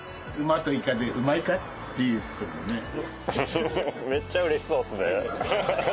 フフフめっちゃうれしそうっすね。